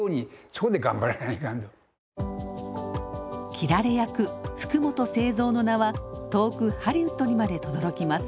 斬られ役福本清三の名は遠くハリウッドにまでとどろきます。